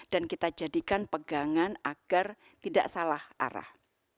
dan kita jadikan pegangan agar tidak salah arah